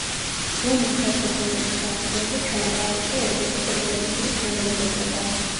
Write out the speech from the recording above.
რომის ხელშეკრულების საფუძველზე ჩამოყალიბდა ევროპის ეკონომიკური თანამეგობრობა.